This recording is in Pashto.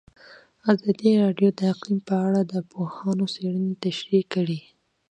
ازادي راډیو د اقلیم په اړه د پوهانو څېړنې تشریح کړې.